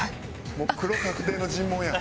もう黒確定の尋問やん。